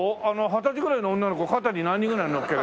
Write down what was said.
二十歳ぐらいの女の子肩に何人ぐらいのっけられる？